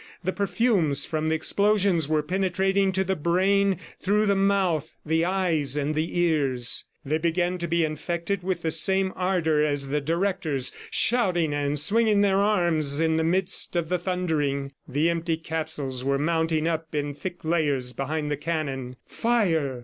The perfumes from the explosions were penetrating to the brain through the mouth, the eyes and the ears. They began to be infected with the same ardor as the directors, shouting and swinging their arms in the midst of the thundering. The empty capsules were mounting up in thick layers behind the cannon. Fire!